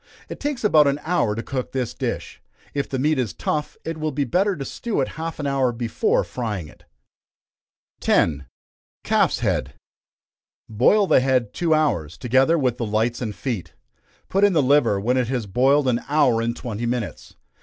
It takes about an hour to cook this dish. If the meat is tough, it will be better to stew it half an hour before frying it. 10. Calf's Head. Boil the head two hours, together with the lights and feet. Put in the liver when it has boiled an hour and twenty minutes.